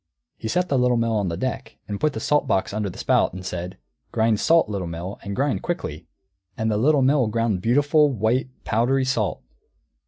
He set the Little Mill on deck, put the salt box under the spout, and said, "Grind salt, Little Mill, and grind quickly!" And the Little Mill ground beautiful, white, powdery salt.